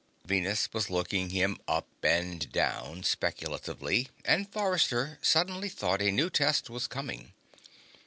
Venus was looking him up and down speculatively, and Forrester suddenly thought a new test was coming.